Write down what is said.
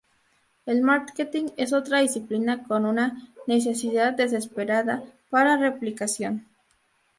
El marketing es otra disciplina con una "necesidad desesperada para replicación".